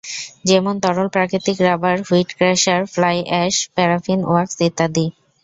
যেমন তরল প্রাকৃতিক rubber, wheat crusher, fly ash, paraffin wax ইত্যাদি।